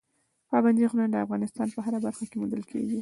پابندي غرونه د افغانستان په هره برخه کې موندل کېږي.